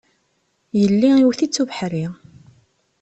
Yelli iwet-itt ubeḥri.